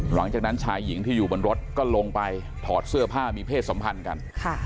หลังจากนั้นชายหญิงที่อยู่บนรถก็ลงไปถอดเสื้อผ้ามีเพศสัมพันธ์กัน